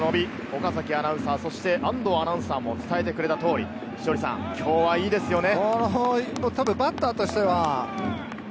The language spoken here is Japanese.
岡崎アナウンサー、そして安藤アナウンサーも伝えてくれた通り今日はいいですね。